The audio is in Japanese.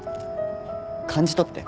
感じ取って。